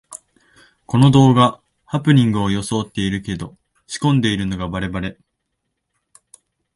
この動画、ハプニングをよそおってるけど仕込んでるのがバレバレ